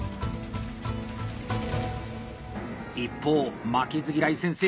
一方「負けず嫌い先生」